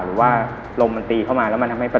หรือว่าลมมันตีเข้ามาแล้วมันทำให้ไฟ